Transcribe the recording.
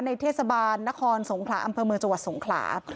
เทศบาลนครสงขลาอำเภอเมืองจังหวัดสงขลา